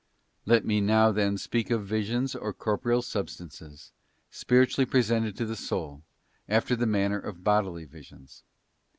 Let me now, then, speak of visions of corporeal sub stances, spiritually presented to the soul, after the manner of bodily visions.